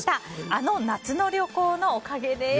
あの夏の旅行のおかげです。